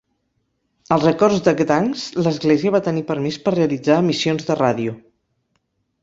Als acords de Gdansk, l'església va tenir permís per realitzar emissions de ràdio.